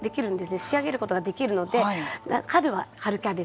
仕上げることができるので春は春キャベツ